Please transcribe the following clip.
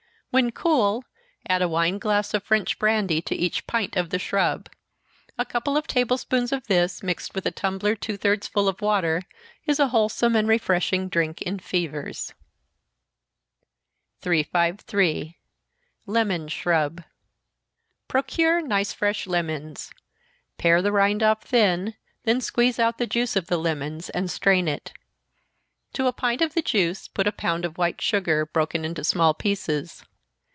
When cool, add a wine glass of French brandy to each pint of the shrub. A couple of table spoonsful of this, mixed with a tumbler two thirds full of water, is a wholesome and refreshing drink in fevers. 353. Lemon Shrub. Procure nice fresh lemons pare the rind off thin, then squeeze out the juice of the lemons, and strain it. To a pint of the juice put a pound of white sugar, broken into small pieces.